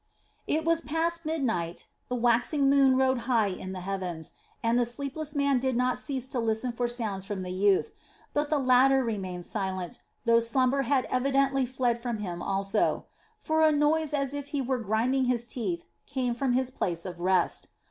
It was past midnight, the waxing moon rode high in the heavens, and the sleepless man did not cease to listen for sounds from the youth; but the latter remained silent, though slumber had evidently fled from him also; for a noise as if he were grinding his teeth came from his place of rest.